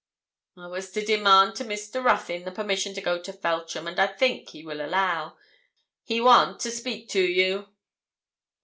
'I was to demand to Mr. Ruthyn the permission to go to Feltram, and I think he will allow. He want to speak to you.'